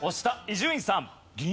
伊集院さん。